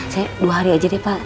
saya dua hari aja deh pak